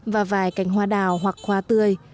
và vài cảnh hoa đào hoặc hoa tươi